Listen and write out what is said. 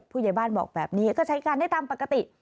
ผู้ใหญ่บ้านบอกแบบนี้ก็ใช้การได้ตามปกติ